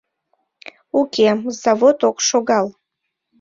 Уке, завод ок шогал!